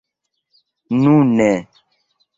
nune